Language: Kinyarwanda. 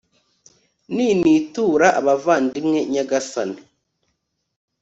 ninitura abavandimwe, nyagasani